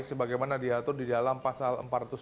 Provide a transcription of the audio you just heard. sebagaimana diatur di dalam pasal empat ratus tujuh